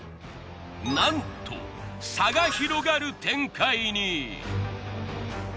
なんと差が広がる展開に。